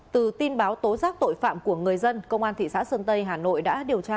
từ tin báo tố giác tội phạm của người dân công an thị xã sơn tây hà nội đã điều tra